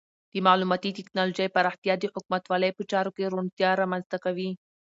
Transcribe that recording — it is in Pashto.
د معلوماتي ټکنالوژۍ پراختیا د حکومتولۍ په چارو کې روڼتیا رامنځته کوي.